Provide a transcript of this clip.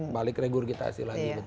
ya untuk regurgitasi lagi